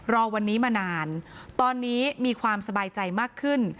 รอวันนี้มานานตอนนี้มีความสบายใจมากขึ้น